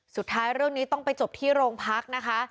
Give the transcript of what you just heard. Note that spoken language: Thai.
สุดท้ายเรื่องนี้ต้องไปจบที่โรงพักนะคะ